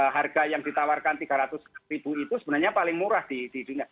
harga yang ditawarkan tiga ratus ribu itu sebenarnya paling murah di dunia